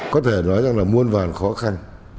có thể nói rằng là muôn vàn khó khăn